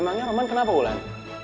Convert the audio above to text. emangnya roman kenapa bulan